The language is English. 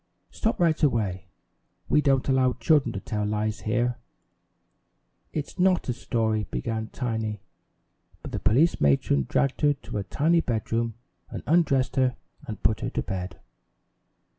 "Stop right away! We don't allow children to tell lies here!" "It's not a story," began Tiny, but the police matron dragged her to a tiny bedroom, and undressed her and put her to bed.